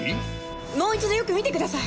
もう一度よく見てください！